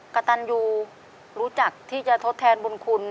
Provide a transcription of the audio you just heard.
กระตันยูรู้จักที่จะทดแทนบุญคุณ